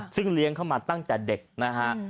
ซึ่งเลี้ยงเข้ามาตั้งแต่เด็กนะฮะ